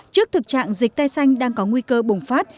trước thực trạng dịch tay xanh đang có nguy cơ bùng phát